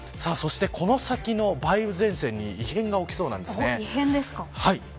そして、この先の梅雨前線に異変が起きそうなんですね。